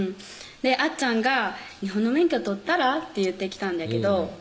あっちゃんが「日本の免許取ったら？」って言ってきたんだけど